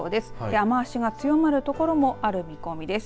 雨足が強まるところもある見込みです。